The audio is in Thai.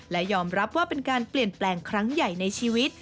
และยอมรับว่าเป็นการเปลี่ยนแปลงครั้งใหญ่ในชีวิต